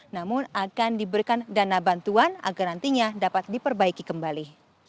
namun akan diberikan dana bantuan agar nantinya dapat diperbaiki kembali